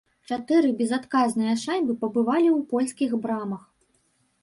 Чатыры безадказныя шайбы пабывалі ў польскіх брамах.